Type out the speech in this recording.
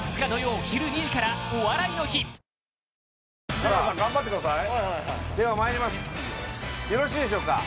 香川さん頑張ってくださいではまいりますよろしいでしょうか